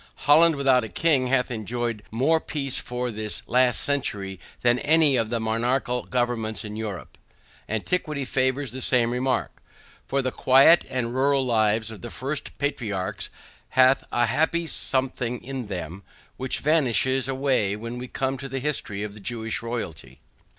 Holland without a king hath enjoyed more peace for this last century than any of the monarchical governments in Europe. Antiquity favors the same remark; for the quiet and rural lives of the first patriarchs hath a happy something in them, which vanishes away when we come to the history of Jewish royalty.